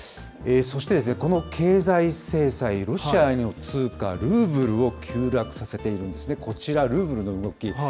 そして、この経済制裁、ロシアの通貨ルーブルを急落させているんですね、こちら、ルーブルの動き。